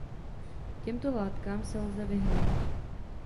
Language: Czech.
Těmto látkám se lze vyhnout.